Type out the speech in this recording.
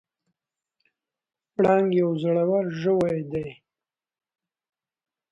پړانګ یو زړور حیوان دی.